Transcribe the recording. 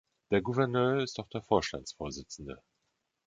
Der Gouverneur ist auch der Vorstandsvorsitzende.